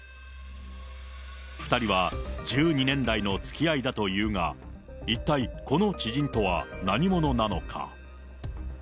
２人は１２年来のつきあいだというが、一体この知人とは、何者なのか。